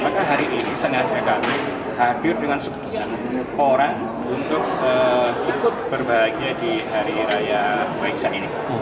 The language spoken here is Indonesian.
maka hari ini sengaja kami hadir dengan sekian orang untuk ikut berbahagia di hari raya waisak ini